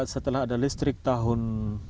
setelah ada listrik tahun dua ribu sebelas